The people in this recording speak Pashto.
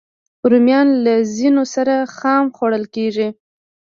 رومیان له ځینو سره خام خوړل کېږي